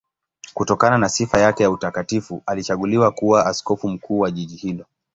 Kutokana na sifa yake ya utakatifu alichaguliwa kuwa askofu mkuu wa jiji hilo.